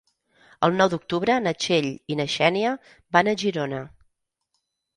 El nou d'octubre na Txell i na Xènia van a Girona.